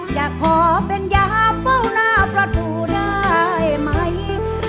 อยากขอเป็นยามเฝ้าหน้าประตูได้ไหม